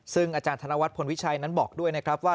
ซึ่งอาจารย์ธนวัฒนพลวิชัยนั้นบอกด้วยนะครับว่า